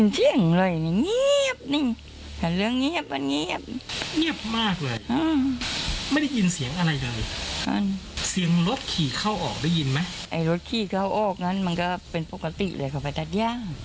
เสียงรถขี่เข้าออกได้ยินมั้ย